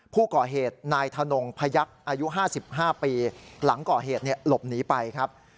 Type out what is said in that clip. ผู้ก่อเหตุนายธนงพยักษ์อายุ๕๕ปีหลังก่อเหตุหลบหนีไปครับ